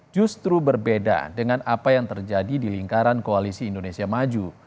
justru berbeda dengan apa yang terjadi di lingkaran koalisi indonesia maju